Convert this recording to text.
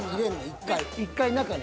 １回中に。